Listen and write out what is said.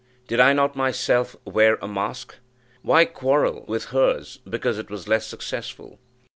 Did I not myself wear a mask? Why quarrel with hers, because it was less successful?